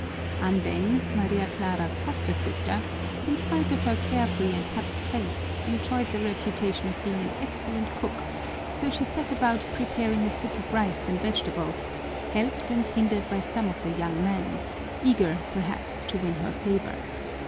Andeng, Maria Clara's foster sister, in spite of her carefree and happy face, enjoyed the reputation of being an excellent cook, so she set about preparing a soup of rice and vegetables, helped and hindered by some of the young men, eager perhaps to win her favor.